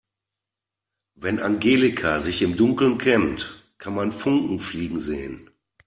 Wenn Angelika sich im Dunkeln kämmt, kann man Funken fliegen sehen.